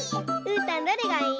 うーたんどれがいい？